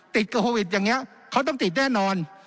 ติดกับโควิดอย่างนี้เขาต้องติดแน่นอน